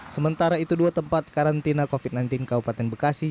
sementara itu dua tempat karantina covid sembilan belas kabupaten bekasi